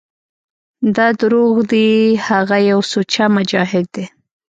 دا دروغ دي هغه يو سوچه مجاهد دى.